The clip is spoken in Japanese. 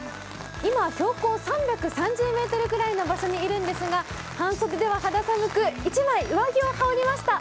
今、標高３３０ｍくらいの場所にいるんですが半袖では肌寒く１枚上着を羽織りました。